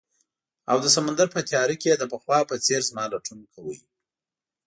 او د سمندر په تیاره کې یې د پخوا په څیر زما لټون کاؤه